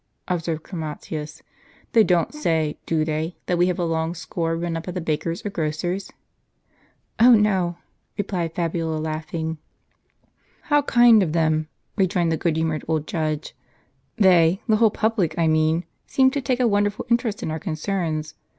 " observed Chromatins. "They don't say, do they, that we have a long score run up at the baker's or grocer's? "" Oh, no !" replied Fabiola, laughing. Jos. vii. " How kind of them !" rejoined the good humored old judge. " They — the whole public I mean — seem to take a wonderful interest in our concerns.